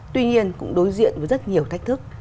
tuy nhiên cũng đối diện với rất nhiều thách thức